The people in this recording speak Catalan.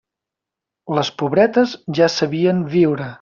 Les pobretes ja sabien viure.